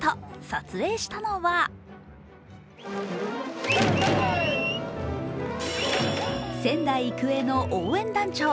撮影したのは仙台育英の応援団長。